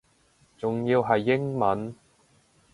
仲要係英文